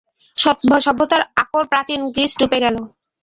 সভ্যতার আকর প্রাচীন গ্রীস ডুবে গেল।